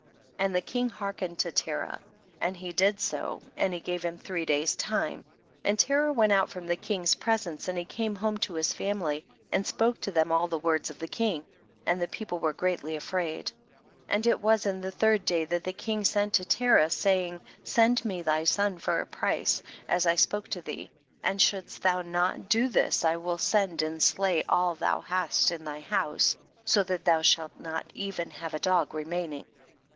31. And the king hearkened to Terah, and he did so and he gave him three days time, and Terah went out from the king's presence, and he came home to his family and spoke to them all the words of the king ; and the people were greatly afraid. 32. And it was in the third day that the king sent to Terah, saying, send me thy son for a price as I spoke to thee ; and shouldst thou not do this, I will send and slav all thou hast in tliy house, so that thou shall not even have a dog remaining.